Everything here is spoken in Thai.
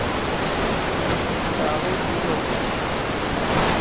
ลัทธิจารีตนิยม